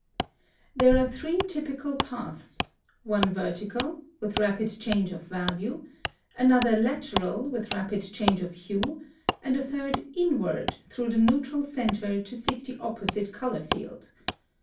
(158) There are three typical paths: one vertical, with rapid change of value; another lateral, with rapid change of hue; and a third inward, through the neutral centre to seek the opposite color field.